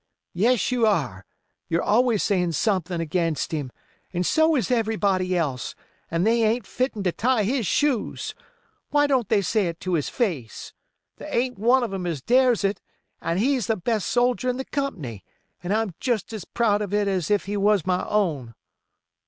"Yes, you air—you're always sayin' somethin' against him—and so is everybody else—and they ain't fitten to tie his shoes. Why don't they say it to his face! There ain't one of 'em as dares it, and he's the best soldier in the comp'ny, an' I'm jest as proud of it as if he was my own."